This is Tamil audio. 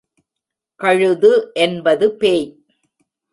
கழுது என்பது பேய்.